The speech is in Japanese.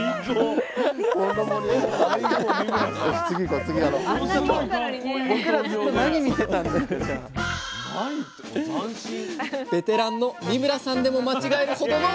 ベテランの三村さんでも間違えるほどの難しさ。